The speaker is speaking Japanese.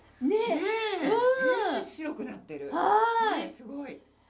すごい。